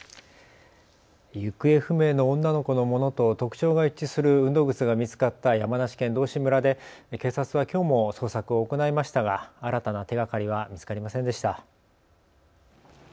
行方不明の女の子のものと特徴が一致する運動靴が見つかった山梨県道志村で警察はきょうも捜索を行いましたが新たな手がかりは見つかりませんでした。